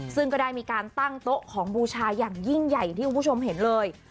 ซึ่งก็ได้มีการตั้งโต๊ะของบูชาอย่างยิ่งใหญ่อย่างที่คุณผู้ชมเห็นเลย